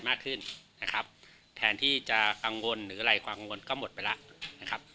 มากขึ้นนะครับแทนที่จะกังวลหรืออะไรความกังวลก็หมดไปแล้วนะครับ